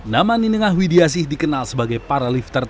nama niningah widiasih dikenal sebagai paralifter terbaik